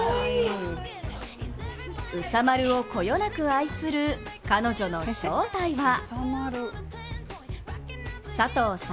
うさまるをこよなく愛する彼女の正体は佐藤早